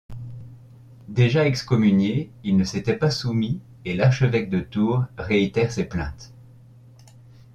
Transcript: Déjà excommunié, il ne s’était pas soumis et l’archevêque de Tours réitère ses plaintes.